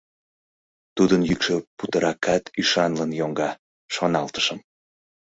«Тудын йӱкшӧ путыракат ӱшанлын йоҥга», — шоналтышым.